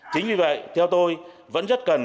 chính vì vậy theo tôi vẫn rất cần